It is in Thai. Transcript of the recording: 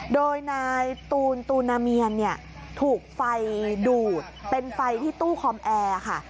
โดยนายตูนตูนาเมียนเนี่ยถูกไฟดูดเป็นไฟที่ตู้คอมแอร์ค่ะ